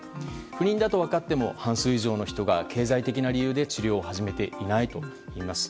不妊だと分かっても半数以上の人が経済的な理由で治療を始めていないといいます。